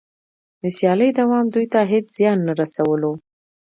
د سیالۍ دوام دوی ته هېڅ زیان نه رسولو